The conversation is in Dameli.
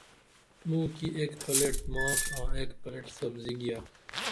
موکی اک پلیٹ ماس آں اک پلیٹ سبزی گیا